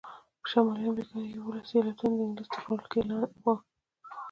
په شمالي امریکا کې یوولس ایالتونه د انګلیس تر ولکې وو.